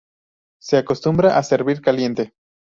Se acostumbra a servir caliente.